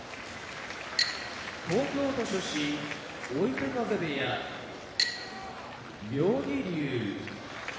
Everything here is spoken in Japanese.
東京都出身追手風部屋妙義龍